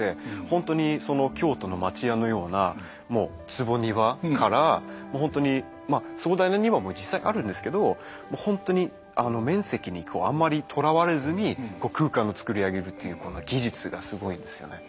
本当にその京都の町家のようなもう坪庭から本当にまあ壮大な庭も実際にあるんですけどもう本当に面積にあんまりとらわれずに空間をつくり上げるというこの技術がすごいんですよね。